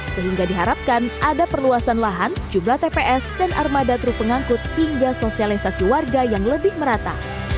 sehingga diharapkan ada perluasan lahan jumlah tps dan armada truk pengangkut hingga sosialisasi warga yang lebih merata